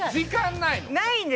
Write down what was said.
ないの。